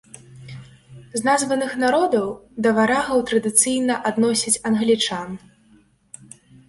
З названых народаў да варагаў традыцыйна адносяць англічан.